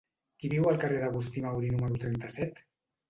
Qui viu al carrer d'Agustí Mauri número trenta-set?